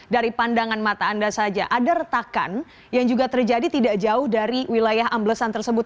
dari pandangan mata anda saja ada retakan yang juga terjadi tidak jauh dari wilayah amblesan tersebut